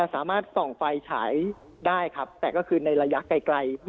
สามารถส่องไฟฉายได้ครับแต่ก็คือในระยะไกล